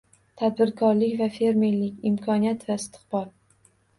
Tadbirkorlik va fermerlik: imkoniyat va istiqbol